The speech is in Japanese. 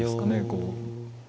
こう。